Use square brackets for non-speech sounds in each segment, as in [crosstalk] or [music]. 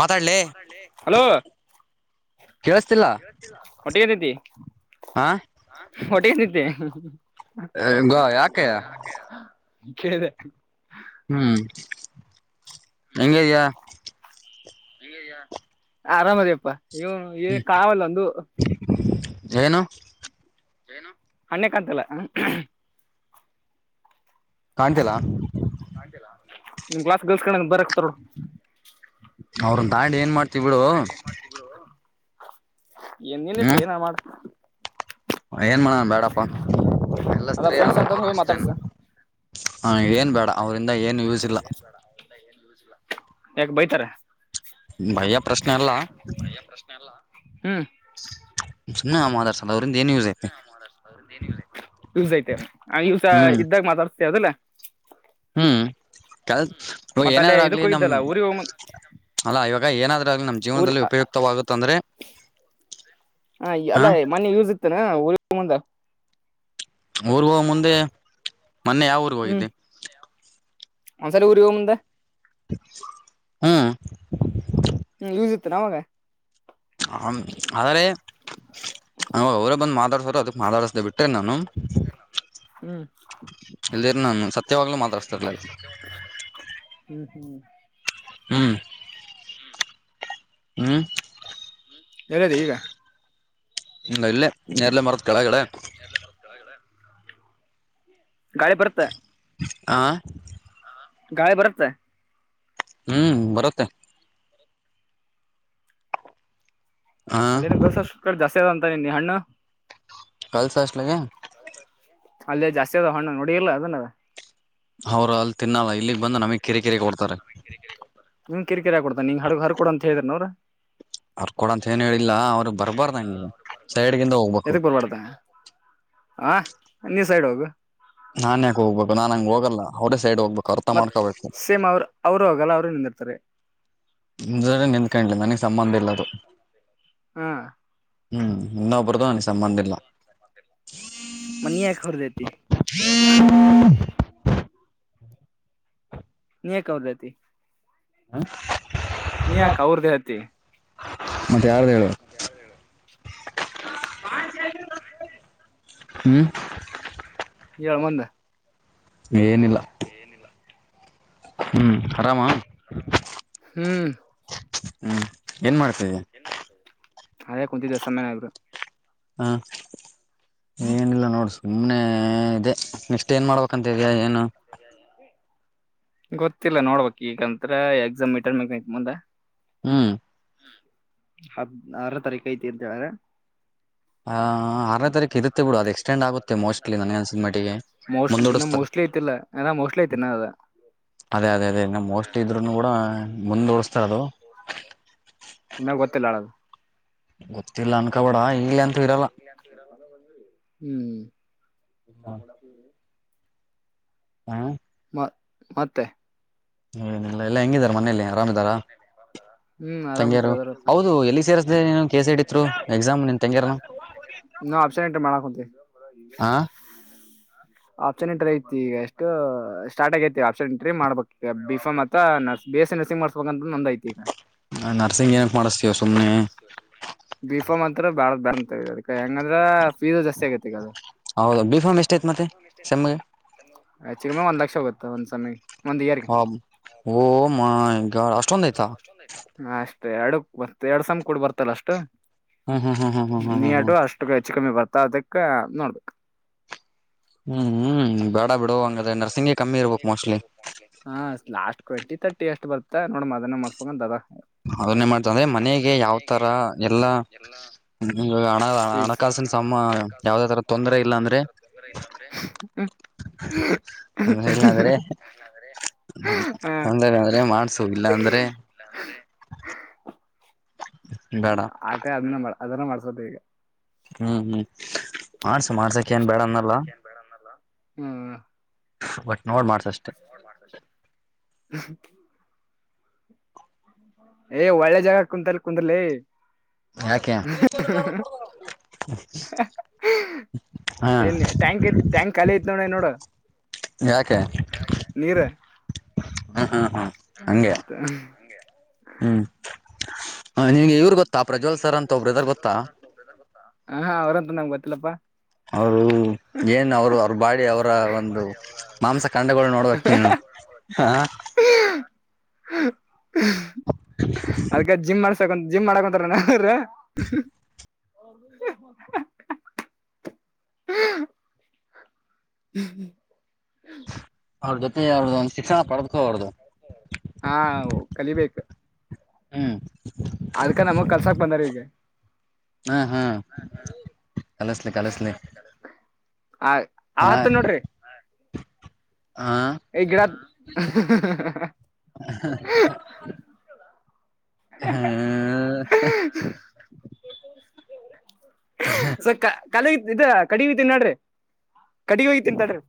ಮಾತಾಡ್ಲೆ hello ಕೇಳಿಸ್ತಿಲ್ಲ ಒಟ್ಟಿಗೆಂತತಿ ಹ ಒಟ್ಟಿಗೆಂತಿದ್ದ ಗ ಯಾಕೆ ಕಿದೆ ಹ್ಮ್ ಹೆಂಗ ಇದ್ಯಾ ಆರಾಮದಪ್ಪಾ ಇನು ಏನ ಕಾವಲ್ಲ ಒಂದು ಜೈನು. ಹಣ್ಣೆ ಕಂತಲ್ಲ. ಕಾಣ್ತಿಲ್ಲ. ನಿಮ್ ಕ್ಲಾಸ್ ಗರ್ಲ್ಸ್ ಕಡೆ ಬರಕ್ ಹತಾರರು ಅವ್ರನ್ ತಾಂಡಿ ಏನ್ ಮಾಡ್ತೀ ಬಿಡು. ಏ ನಿನ್ ಇಷ್ಟ ಹ್ಮ್ ಏನ ಅರ ಮಾಡು. ಏನ್ ಮಾಡೋಣ ಬ್ಯಾಡಪ್ಪಾ ಎಲ್ಲ ಅದ ಸ್ತ್ರೀಯ ಫ್ರೆಂಡ್ಸ್ ಅವರು ಅಂತ ಹೋಗಿ ಇಷ್ಟತೇನೆ. ಮಾತಾಡ್ಸ ಹಾ ಏನ್ ಬೇಡ ಅವರಿಂದ ಏನು ಯೂಸ್ ಇಲ್ಲ. ಯಾಕ ಬೈತಾರ. ಭಯ ಪ್ರಶ್ನೆ ಅಲ್ಲ. ಹ್ಮ್ ಸುನ್ನ ಮಾದರ್ಂದ. ಸ ಹ್ಮ್ ಇದ್ದಾಗ ಮಾತಾಡ್ತ ಅದಲ್ಲ. ಹ್ಮ್ ಕಲ್ ಮತ್ತ ಅಲ್ಲೇ ಏನಾದ್ರು ಆಗ್ಲಿ ಇದಕ್ ನಮ- ಹೋಗಿದ್ದಲ್ಲ ಊರಿಗೆ ಹೋಗ್ ಅಲ್ಲಾ ಇವಾಗ ಏನಾದ್ರೂ ಆಲಿ ನಮ್ ಊರಿ ಜೀವನದಲ್ಲಿ ಉಪಯುಕ್ತವಾಗುತ್ತ ಅಂದ್ರೆ. ಹ ಅಲ್ಲ ಮನೆ ಇರ್ಸಿತೇನೆ ಊ ಮುಂದ ಊರ್ ಹೋಗ ಮುಂದೆ ಮೊನ್ನೆ ಯಾವ ಊರ್ಗ್ ಹೋಗಿದ್ದೆ. ಮಸರ ಗರಿವಮಂದ. ಹ್ಮ್. ಹ್ಮ್ ಯೂಸಿತ್ತು ನಮಾಗ. ಹ ಆದ್ರೆ ನ ಅವರೇ ಬಂದು ಮಾತಾಡ್ಸಾರ ಅದಕ್ ಮಾತಾಡಸ್ದ ಬಿಟ್ರೆ ನಾನು. ಹ್ಮ್ ಇಲ್ದಿರ ನಾನು ಸತ್ಯವಾಗ್ಲುೂ ಮಾತಾಡ್ಸ್ತಿರ್ಲ. ಹ್ಮ್ ಹ್ಮ್. ಹ್ಮ್ ಹ್ಮ್. ಎಲ್ಲದ ಈಗ. ಇ ಇಲ್ಲೇ ನೀರ್ಲ್ಲ ಮರತ್ ಕೆಳಗಡೆ. ಗಾಳಿ ಬರುತ್ತೆ. ಆಂ. ಗಾಯ ಬರುತ್ತ ಹ್ಮ್ ಬರುತ್ತೆ ಹ ಅಲ್ಲಿನ ಗಲ್ಸ ಕಡೆ ಜಾಸ್ತಿ ಆದ ಅಂತ ನಿ ಹಣ್ಣು ಕಲ್ ಸಷ್ಟಲಗೆ ಅಲ್ಲೇ ಜಾಸ್ತಿ ಅದ ಹಣ್ಣ ನೋಡಿರ್ಲ್ಲ ಅದನ್ನದ ಅವ್ರ ಅಲ್ಲಿ ತಿನ್ನಲ್ಲ ಇಲ್ಲಿಗ್ ಬಂದ ನಮಗ್ ಕಿರಿಕಿರಿ ಕೊಡ್ತಾರೆ ನೀ್ ಕಿರಿಕಿರ ಕೊಡ್ತಾ ನಿಂಗ್ ಹಡಗ್ ಹರ್ರ ಕೊಡ ಅಂತ ಹೇಳಿದ್ರಿ ನವ್ರ. ಅರ್ಕೊಡಂತ ಏನು ಹೇಳಿಲ್ಲ ಅವ್ರು ಬರ್ಬಾರ್ದಂಗೆ ಸೈಡ್ಗಿಿಂದ ಹೋಗ್ಬೇಕು. [unintelligible] ಹ ನೀ ಸೈಡ್ ಹೋಗು ನಾನ್ ಯಾಕೆ ಹೋಗ್ಬೇಕು ನಾನ್ ಹಂಗ ಹೋಗಲ್ಲ ಅವ. ಮತ್ತತ್ ಸೇಮ್ ಅವರು ಅವರು ಹೋಗಲ್ಲ ಅವರು ನಿಂದಿರ್ತಾರೆ. ನಿಂದಕೊಂಡಲಿಲ್ಲ ನನಗ್ ಸಂಬಂಧ ಇಲ್ಲದು. ಹ್ಮ. ಹ್ಮ್ ಇನ್ನ ಅಬರದ ನ ಸಮ್ಮಂದಿರಲ್ಲಾ. ಮನ ಯರದತಿ. ನೀಕ ಅವದೈತಿ. ಹ ಅವ್ರದ್ದೇ ಐತಿ ಮತ್ತೆ ಯಾರ್ದು ಹೇಳುವರು ಹ್ಮ್ ಏಳ ಮಂದ ಏನಿಲ್ಲ ಹ್ಮ್ ಆರಾಮ ಹ್ಮ್ ಹ್ಮ್ ಏನ್ ಮಾಡ್. ಅದೇ ಕುಂತಿದ್ದ ಸಮ್ಯನ ಇರು ಹಾ ಏನಿಲ್ಲ ನೋಡ್ರಿ ಸುಮ್ನೆ ಇದೆ ನೆಕ್ಸ್ಟ್ ಏನ್ ಮಾಡ್ಬೇಕಂತ ಇದ್ಯಾ ಏನು ಹ ಗೊತ್ತಿಲ್ಲ ನೋಡ್ಬಕ್ ಈಗಂತ್ರ ಎಕ್ಸಾಮ್ ಇಟನ್ ಮಕ್ಕ್ ಮುಂದೆ ಹ್ಮ್ ಹದ ಆರ ತಾರೀಕ ಐತಿರ್ಂತೇವ್ರ ಆ ಆರನೇ ಹ ತಾರೀಕು ಇರುತ್ತೆ ಆ ಬಿಡು ಅದು ತಕ ಎಕ್ಸ್ಟೆಂಡ್ ಇರುತ್ತೆಸ್ ಆಗುತ್ತೆ ಆಗೆ ಮೋಸ್ಟ್ಲಿ ನನಗೆ ಅನ್ಸಿದ ಮಟ್ಟಿಗೆ ಮಟ್ ಇನ್ನು ಮುಂದೂಡಿಸ್ತಾರೆ ಮೋಸ್ಟ್ ಮಲಿ ಐತಿಲ್ಲ ಎಲ್ಲ ಮೋಸ್ಟ್ಲಿ ಐತೆ ನ ಅ ಅದೇ ಅದೇ ಅದೇ ಇನ್ನು ಮೋಸ್ಟ್ ಇದ್ರುನು ಕೂಡ ಮುಂದ ಉಡಸ್ತಾರದು ನನ್ನ ಗೊತ್ತಿಲ್ಲ ಅಳದು ಗೊತ್ತಿಲ್ಲ ಅ ಇ್ಮ ಚ ಹಾ ಮ ಮತ್ತೆ ಹನಿಲ್ಲ ಎಲ್ಲ ಹೆಂಗಿದಿದ್ದಾರೆ ಮನೇೆಯಲ್ಲಿ ಆರಾಮ್ದಾರ ಹ್ಮ್ ಆರಾಮಂತರ ತಂಗಿಯರು ಅದಾರಪ್ಪ ಹೌದು ಎಲ್ಲಿ ಸೇರ್ದೇ ಕೇಸ ಹಡ್ರು ಎಕ್ಸಾಮ್ ನೀನು ತಂಗಿರನ ನಾ ಅಪ್ಸಾನಂಟ ಮಾಡಕಂತ ಹಾ ಆಪ್ಸನ್ ಎಂಟ್ರಿ ಐತಿ ಈಗ ಎಷ್ಟು ಸ್ಟಾರ್ಟ್ ಆಗತಿ ಆಪ್ಷನ್ ಎಂಟ್ರಿ ಮಾಡ್ಬೇಕ ಬಫ ಮ ಬೇಸ ನರ್ಸಿಂಗ್ ಏನಕ್ ಮಾಡಿಸ್ತೀವ ಸುಮ್ನೆ ಈ ಬಾಳ ಬ ಅದ ಹೆಂಗಂದ್ರ ಫೀಸ್ ಜಾಸ್ತಿ ಆಗೈತಿ ಈಗ ಅದು ಹೌದು ಬೀಫಮ್ಮ್ ಎಷ್ಟ ಐತ್ ಮತ್ತೆ ಸೆಮ್ಮಗೆ ಆ ಚ ಕಗಮ್ಮೆ ಒಂದ ಲಕ್ಷ ಹೋಗುತ್ತೆ ಒಂದ್ ಸಮಿಗೆ ಒಂದ್ ಇಯರ್ಗೆ ಹ ಓ ಮಷ್ಟ ಹ ಅಷ್ಟೇ ಎರಡು ಮ ಎರಡ್ ಸಮ ಕೂಡ್ ಬರ್ತಲ್ಲ ಅಷ್ಟು ಹ್ಮ್ ಹ್ಮ್ ಹ್ಮ್ ಹ್ಮ್ ಹ್ಮ್ ನೀ ಹ್ಮ್ ಹ್ಮ್ ಆಟು ಅಷ್ಟು ಹೆಚ್ಚು ಕಮ್ಮಿ ಬರ್ತಾ ಅದಕ್ಕ ನೋಡ್ಬೇಕು ಒ ನರಸಿಂಗಕ್ಕೆ ನರ್ಸಿಂಗಗೆ ಕಮ್ಮಿ ಇರ್ಲಿ ಹ ಲಾಸ್ಟ್ ಟ್ವೆಂಟಿ ತರ್ ಅಷ್ಟು ಬರ್ತ್ತಾ ನೋಡ ಮದನನೆ ಮಾಡ್ಸ್ಕೊಂಡಂದ ಅದ ಅದನ್ನೇ ಮಾಡ್ತ ಅಂದ್ರೆ ಮನೆಗೆ ಯಾವ್ತರ ಎಲ್ಲಾ ಹಣ ಫೀಸ್ ಹಣಕಾಸಿನ ಸಮ ಯಾವದ ತರ ತೊಂದರೆ ಇಲ್ಲ ಅಂದ್ರೆ [unintelligible] ಇಲ್ಲಾಂದ್ರೆ ಹ ತೊಂದರೆ ಅಂದ್ರೆ ಮಾಡ್ಸು ಇಲ್ಲಾಂದ್ರೆ ಬೇಡ ಆಟ ಅದನ್ನ ಅದನ್ನ ಮಾಡ್ಸದೆ ಈಗ ಹ್ಮ್ ಹ್ಮ್ ಮಾಡ್ಸ ಮಾಡ್ಸಕ್ ಏನ್ ಬೇಡ ಅನ್ನಲ್ಲ ಹಾ ಬಟ್ ನೋಡ್ ಮಾಡ್ತಷ್ಟೆ [unintelligible] ಏ ಒಳ್ಳೆ ಜಾಗ ಕುೂಂತಲ್ಲ ಕುಂದರ್ಲಿ ಯಾಕ ಏನ್ ಟ್ಯಾಂಕ್ ಟ್ಯಾಂಕ್ ಖಾಲ ಐತ್ ನೋಡ ನೋಡ ಯಾಕೆ ನೀರು ಹ್ಮ ಹಾ ಹಾ ಹಂಗಗೆ ಹ್ಮ್ ನಿನ್ಗೆ ಇವ್ರು ಗೊತ್ತಾ ಪ್ರಜ್ವಲ್ ಸರ್ ಅಂತ ಒಬ್ರು ಇದಾರೆ ಗೊತ್ತಾ ಹಾ ಅವ್ರಂತ ನ ಬ ಅವರು ಏನ್ ಅವ್ರು ಅವ್ರ ಬಾಳಿ ಅವರ ಒಂದು ಮಾಂಸಖಂಡಗಳು ನೋಡ್ಬೇಕ ನೀನು ಹಾ ಹ [unintelligible] ತ ಜಿಮ್ ಮಾಡಕೊಂತಾರ ನ್ರ ಹಾ ಹ್ಮ್ ಹ್ಮ ಅವ್ರ ಜೊತೆ ಅವ್ರ್ದ ಒಂದ್ ಶಿಕ್ಷಣ ಪಡೆದ್ಕೋ ಅವ್ರ್ದು ಹಾ ಕಲಿಬೇಕು ಹ್ಮ್ ಅದ್ಕ ನಮಗ್ ಕಲ್ಸಾಕ್ ಬಂದಾರ ಈೀಗೆ ಹಾ ಹಾ ಕಲಿಸ್ಲಿ ಕಲಿಸ್ಲಿ ಆ ಆತ್ ನೋಡ್ರಿ ಈಗಡ ಹಾ್ ಸೊಕ್ಕ ಕಾಲ ಇದ ಕಡಿಗಿ ತಿನ್ನಾಡ್ರಿ ಕಡಿ ಹೋಗಿ ತಿಂತಾಡ್ರಿ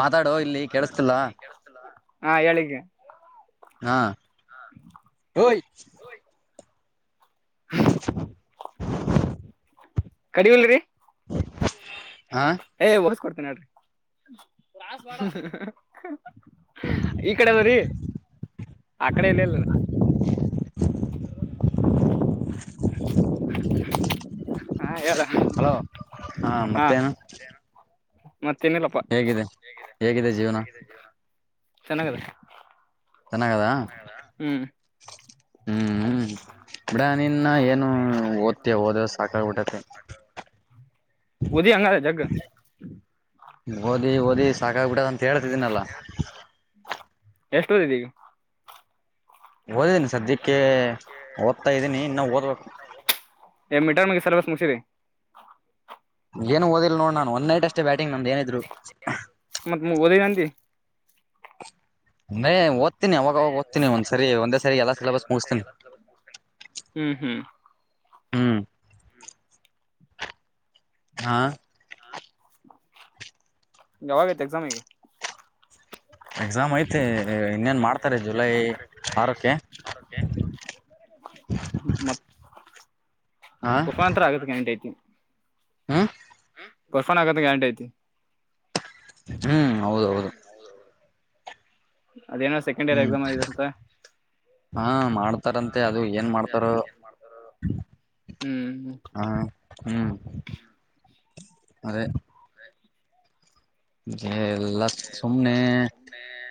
ಮಾತಾಡೋ ಇಲ್ಲಿ ಕೇಳಸ್ತಿಲ್ಲ ಹಾ ಹೇಳಿಕ ಹಾ [unintelligible] ಕಡಿವಲ್ರಿ ಹಾ ಏ ಬಓಸ್ ಕೊಡ್ತೇನ ನಡ್ರಿ ಈ ಕಡೆ ಅದ್ರೀ ಆ ಕಡೆ ಎಲ್ಲಲ್ಲ [unintelligible] ಹಾ ಹೇಳಲ್ಲ ಹಲೋ ಹಾ ಮತ್ತೇನು ಮತ್ತೆ ನಿಲ್ಲಪ್ಪ ಹೇಗಿದೆ ಹೇಗಿದೆ ಜೀವನ ಚೆನ್ನಾಗದ ಚೆನ್ನಾಗದಾ ಹ್ಮ್ ಹ್ಮ್ ಹ್ಮ್ ಬಿಡ ನಿನ್ನ ಏನು ಓದ್ತೇ ಓದ ಸಾಕಾಗಬಿಟತೆ ಒದ ಅಂಗಾರ ಜಗ್ಗ ಓದಿ ಓದಿ ಸಾಕಾಗ್ಬಿಟ್ಟದ ಅಂತ ಹೇಳ್ತಿದನಲ್ಲ ಎಷ್ಟ ಹೊದಿದ್ದ ಈಗ ಓದಿದೀನಿ ಸದ್ಯಕ್ಕೆ ಓದ್ತಾ ಇದ್ದೀನಿ ಇನ್ನ ಓದ್ಬೇಕು ಎ ಮೀಟರ್ ಮುಗೆ ಸಲ್ ಬಸ್ ಮುಸಿದೆರಿ ಏನು ಓದಿಲ್ಲ ನೋಡ್ ಏ ನಾನು ಒನ್ ನೈಟ್ ಅಷ್ಟೇ ಬ್ಯಾಟಿಂಗ್ ನಮ್ದ ಏನಿದ್ರು ಮತ್ತ ಓದ ಅಂತ ನ ಒ ನೇ ಓದ್ತೀನಿ ಅವಾಗ ಓದ್ತೀನಿ ಒಂದ್ ಸರಿ ಸಿಲೆಬಸ್ ಒಂದೇ ಸರಿ ಮುಗಿಸ್ತೀನಿ ಎಲ್ಲ ಮುಗ್ತೀನಿ ಹ್ಮ್ ಹ್ಮ್ ಹ್ಮ್ ಹಾ ಾವಾಗೈತ್ತು ಎಕ್ಸಾಮಿಗೆ ಹ ನಾಮಐತೆ ಇನ್ನೇನ್ ಜುಲೈ ಮಾಡ್ತಾರೆ ಜುಲೈ ಆರಕ್ಕೆ ಆರಕ್ಕೆ [unintelligible] ಮತ್ [inaudible] ಉಷಾಂತರ ಆಗತ್ತ ಗಂಟ ಐತಿ [unintelligible] ಹಾ [inaudible] ವರ್ಫೊಂಡ್ ಆಗತ್ತ [unintelligible] ಗ್ಯಾರಂಟಿ ಐತಿ ಹ್ಮ್ ಹೌದೌದು ಹ್ಮ್ ಹೌದೌದು [inaudible] [unintelligible] ಅದೇನೋ ಸೆಕೆಂಡ್ ಇಯರ್ ಹ್ಮ್ ಎಕ್ಸಾಮ್ ಆಗಿದೆ ಅಂತ. ಹಾ, ಮಾಡ್ತಾರಂತೆ ಅದು ಏನ್ ಮಾಡ್ತಾರೋ ಹ್ಮ್ - ಹಾ, ಹ್ಮ್, ಅದೇ- [inaudible] ಜ [unintelligible] ಎಯ್ ಇಲ್ಲ ಸುಮ್ನೆ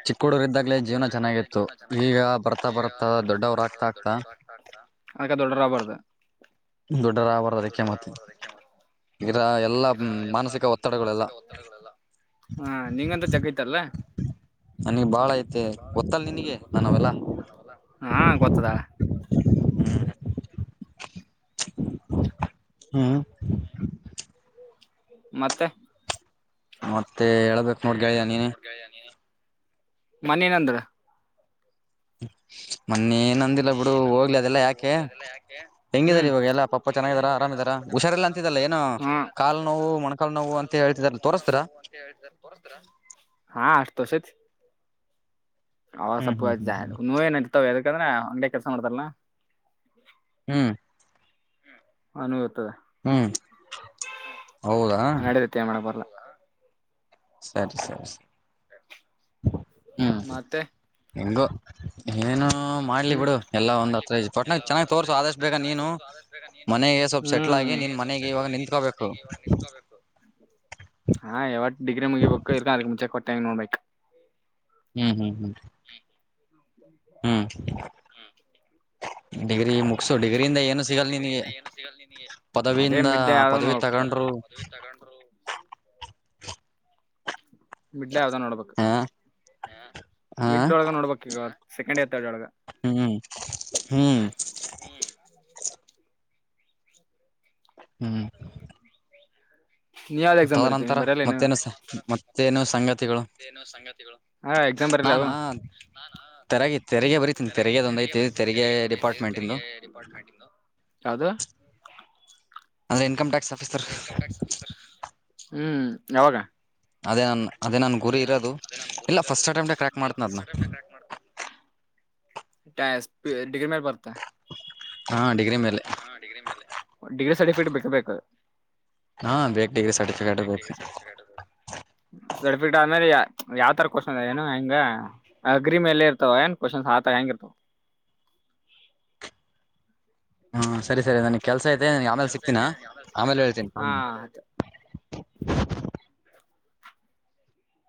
ಚಿಕ್ಕ ಹುಡಗ ಇದ್ದಾಗ್ಲೇ ಜೀವನ ಚೆನ್ನಾಗಿತ್ತು. ಈಗ ಬರ್ತಾ ಬರ್ ಬರ್ತಾ, ಬರ್ತಾ ದೊಡ್ಡವರು ಆಗ್ತಾ, ಆಗ್ತಾ ಅದಕ ದೊಡ್ಡವರ ಆಗಬಾರ್ದ. ದೊಡ್ಡವರ ಆಗಬಾರದಅದಕ್ಕೆಮ್ಮತ. ಇದಾ ಎಲ್ಲಾ ಮಾನಸಿಕ ಒತ್ತಡಗಳೆಲ್ಲ. ಹಾ, ನೀಂಗಂತ ಜಗ್ಗೈತಲ್ಲ- ಅವನಿಗ್ ಬಾಳ ಐತೆ. ಗೊತ್ತಲ್ ನಿನಗೆ ನನವೇ ಲ್ಲಾ. ಹಾ, ಗೊತ್ತದಾಳ ಹ್ಮ್, ಹಾ [inaudible] ಮತ್ತೆ, ಮತ್ತೆ ಹೇಳ್ಬೇಕು ನೋಡ್ಗೆಳಿಯ ನೀನೆ. ಮನ ನಂದ್ರ [unintelligible] ಹ್ಮ [unintelligible] [inaudible] ಮೊನ್ನೆ ಏನ್ ಅಂದಿಲ್ಲ ಬಿಡು ಹೋಗ್ಲಿ ಅದೆಲ್ಲಾ ಯಾಕೆ, ಹೆಂಗಿದಾರ ಹ್ಮ್ ಇವಾಗ ಎಲ್ಲ ಪಪ್ಪಾ ಚೆನ್ನಾಗಿದಾರ ಆರಾಮಿದಾರ. ಹುಷಾರಿಲ್ಲ ಅಂತಿದಲ್ಲ ಏನ ಹಾ ಕಾಲು ನೋವು, ಮೊಣಕಾಲ್ ನೋವು ಅಂತ ಹೇಳ್ತಿದಲ್ಲ ತೋಸ್ತಿರಾ. ಹಾ ಅಷ್ಟ ತೋಷತಿ [unintelligible] ಅವಾಗ ಹ್ಮ್ ಹ್ಮ್ ಹ್ಮ್ ಸೊಪ್ಪು ನೋಏನ ಇರ್ತವ ಎದಕಂದ್ರೆ ಅಂಗಡಗ ಕೆಲ್ಸ ಮಾಡ್ತಾರ ಹ್ಮ್, ಹನ್ ಗತದ ಹ್ಮ್ ಹೌದಾ ನ ನಡದತ್ಯ ಮಾಡ ಬರ್ಲ್ಲ [unintelligible] ಹ [inaudible] ಸರಿ, ಸರಿ- ಮತ್ತೆ, ಇಂದು [inaudible] ಯ [unintelligible] ಏನು ಮಾಡ್ಲಿ ಹ್ಮ್ ಬಿಡು ಎಲ್ಲಾ ಒಂದ್ ಹತ್ರ ಒಟ್ನಾಗ ಚೆನ್ನಾಗ್ ತೋರ್ಸು ಆದಷ್ಟ್ ಬೇಗಾನೀನು. ಮನೆಗೆ ಸ್ವಲ್ಪ ಸೆಟ್ಲ್ ಹ್ಮ್ ಆಗಿ ನೀನ್ ಸ್ವಲ್ಪ ಮನೆಗೆ ಸೆಟ್ಲ್ ಇವಾಗ ಆಗಿ ನಿನ್ ನಿಂತ್ಕೋಬೇಕು. ಮನೆಗೆ ಇವಾಗ ನಿಂತ್ಕೋಬೇಕು ಹಾ, ಇವತ್ತು ಡಿಗ್ರಿ ಮುಗಿಬೇಕು ಇಲ್ಕ ಅದಕ್ ಮುಂಚೆ ಕೊಟ್ಟಂಗ ನೋಡ್ಬೇಕ್. ಹ್ಮ್, ಹ್ಮ್, ಹ್ಮ್- ಹ್ಮ್, ಡಿ ಗ್ರಿ ಮು- ಡಿಗ್ರಿ ಮುಗಸು ಡಿಗ್ರಿಯಿಂದ ಏನು ಸಿಗಲ್ ನಿನಗೆ. ಪದವಿಯಿಂದ, ಪದವಿ ತಗೊಂಡ್ರು- [inaudible] ಮಿಡ್ಲೆ ಯಾವ್ದ ನೋಡ್ಬೇಕು. ಹ ಹ ಮಿಡ್ಲ್ ಒಳಗ ನೋಡ್ಬೇಕ ಈಗ ಸೆಕೆಂಡ್ ಎತ್ತೊಳಗ ಹ್ಮ್, ಹ್ಮ್- ಹ್ಮ್, - ನೀ ಯಾವ್ದ್ ಎಕ್ಸಾಮ್ ಬರಿತಿ ತದನಂತರ ಬರಿಯಲ್ಲ ಏನು ಮತ್ತೇನು -ಮತ್ತೇನು ಸಂಗತಿಗಳು. ಏ ಸಂಗತಿ ಹಾ, ಎಕ್ಸಾಮ್ ಬರಿಲ್ಲ- ತೆರಗೆ, ತೆರಿಗೆ ಬರಿತಿನಿ ತೆರಿಗೆದ ಒಂದ ಐತಿ ತೆರಿಗೆ ಡಿಪಾರ್ಟ್ಮೆಂಟಿಂದು. ಅದು [inaudible] ಅಂದ್ರೆ ಇನ್ಕಮ್ ಟ್ಯಾಕ್ಸ್ ಆಫೀಸರ್. - ಹ್ಮ್ ಯಾವಾಗ ಅದೇ ನನ್ನ ಅದೇ ನನ್ ಅದೇ ನನ್ ಗುರಿ ಇರೋದು ಅಟೆಂಪ್ಟ ಕ್ರ್ಯಾಕ್ ಇಲ್ಲ ಮಾಡ್ತನ ಅದ್ನ ಫಸ್ಟ್ ಅಟೆಂಪ್ಟ್ ಮಾಡ್ತ ಟಾಸ್ ಪಿವನ್ ಡಿಗ್ರಿ ಮೇಲೆ ಬರತ ಹಾ ಡಿಗ್ರಿ ಮೇಲೆ ಹಾ ಡಿಗ್ರಿ ಮೆಲ್ ಡಿಗ್ರಿ ಸರ್ಟಿಫಿಕೇಟ್ ಬೇಕ ಬೇಕ ಹಾ ಬೇಕು ಡಿಗ್ರಿ ಸರ್ಟಿಫಿಕೇಟ್ ಬೇಕು. ಆಮೇಲೆ ಯ ಯಾವ್ ತರ ಕ್ವೆಶ್ಚನ್ ಏನು ಹ ಹೆಂಗ ಅಗ್ರಿ ಮೇಲೆೇ ಇರ್ತವ ಏನ್ ಕ್ವೆಶ್ಚನ್ ಆತರ ಹ ಹೆಂಗ ಇರ್ತವ ಹ್ಮ ಸರಿ ಸರಿ ನನಗ್ ಕೆಲ್ಸ ಇದೆ ನಿನ್ಗ ಆಮೇಲ್ ಸಿಗ್ತೀನ ಆಮೇಲೆ ಹೇಳ್ತೀನಿ ಆಮೇ ಹಾ